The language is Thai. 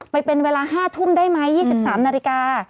ไปเป็นเวลา๕ทุ่มได้ไหม๒๓นาฬิกา